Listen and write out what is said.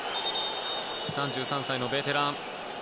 ３３歳のベテラン。